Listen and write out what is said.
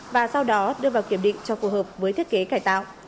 và sau đó đưa vào kiểm định cho phù hợp với thiết kế cải tạo